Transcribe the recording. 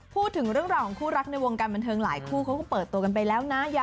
พูดถึงเรื่องราวของคู่รักในวงการบันเทิงหลายคู่เขาก็เปิดตัวกันไปแล้วนะ